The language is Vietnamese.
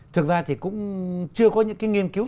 thực ra thì cũng chưa có những cái nghiên cứu